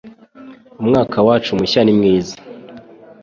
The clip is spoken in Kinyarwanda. Umwaka Mushya Wacu ni mwiza